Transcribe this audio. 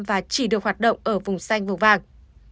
và chỉ được hoạt động ở vùng xanh màu vàng